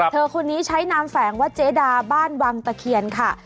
คนนี้ใช้นามแฝงว่าเจดาบ้านวังตะเคียนค่ะ